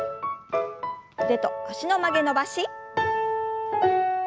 腕と脚の曲げ伸ばし。